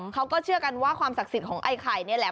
เขาก็เชื่อกันว่าความศักดิ์สิทธิ์ของไอ้ไข่นี่แหละ